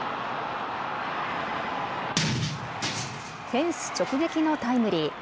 フェンス直撃のタイムリー。